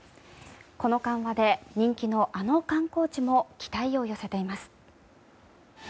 この緩和で人気のあの観光地も期待を寄せています。